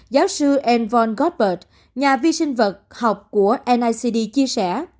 giáo sư envon godbert nhà vi sinh vật học của nicd chia sẻ